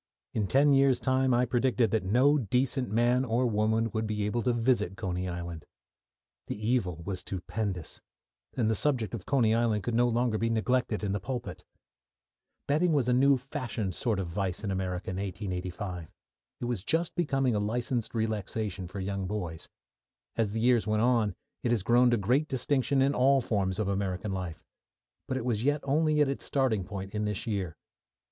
In ten years' time I predicted that no decent man or woman would be able to visit Coney Island. The evil was stupendous, and the subject of Coney Island could no longer be neglected in the pulpit. Betting was a new fashioned sort of vice in America in 1885; it was just becoming a licensed relaxation for young boys. As the years went on, it has grown to great distinction in all forms of American life, but it was yet only at its starting point in this year.